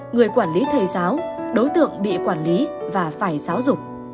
người quản lý thầy giáo đối tượng bị quản lý và phải giáo dục